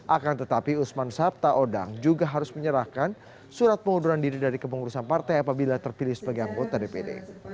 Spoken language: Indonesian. akan tetapi usman sabta odang juga harus menyerahkan surat pengunduran diri dari kepengurusan partai apabila terpilih sebagai anggota dpd